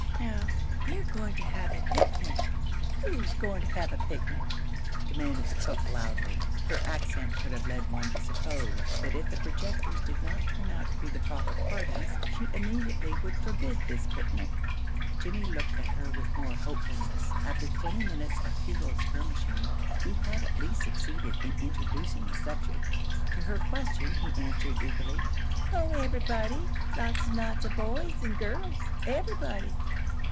"Now they're goin' to have a picnic." "Who's goin' to have a picnic?" demanded the cook, loudly. Her accent could have led one to suppose that if the projectors did not turn out to be the proper parties, she immediately would forbid this picnic. Jimmie looked at her with more hopefulness. After twenty minutes of futile skirmishing, he had at least succeeded in introducing the subject. To her question he answered, eagerly: "Oh, everybody! Lots and lots of boys and girls. Everybody."